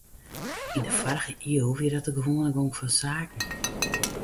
Yn de foarrige iuw wie dat de gewoane gong fan saken.